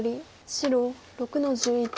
白６の十一。